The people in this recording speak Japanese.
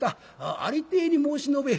ありていに申し述べい」。